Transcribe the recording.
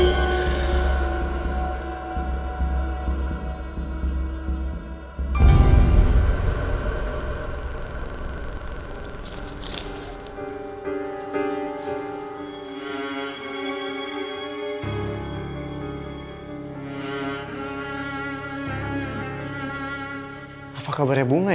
terima kasih buat ber neighbours hoy